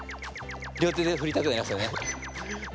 両手でふりたくなりますよね。